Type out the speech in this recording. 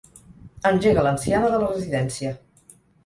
Engega l'anciana de la residència.